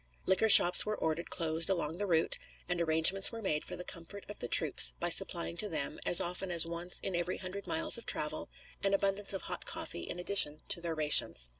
Liquor shops were ordered closed along the route, and arrangements were made for the comfort of the troops by supplying to them, as often as once in every hundred miles of travel, an abundance of hot coffee in addition to their rations.